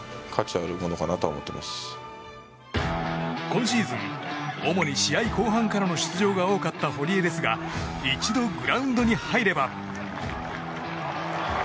今シーズン主に試合後半からの出場が多かった堀江ですが一度グラウンドに入れば。